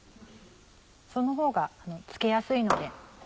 そのほうが付けやすいので。